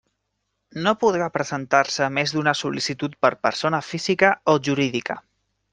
No podrà presentar-se més d'una sol·licitud per persona física o jurídica.